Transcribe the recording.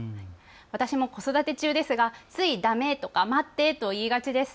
私も子育て中ですがついだめとか、待ってと言いがちです。